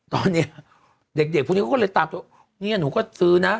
ตอนนี้เด็กพวกนี้เขาก็เลยตามตัวเนี่ยหนูก็ซื้อนะ